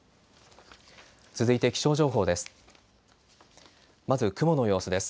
続いて気象情報です。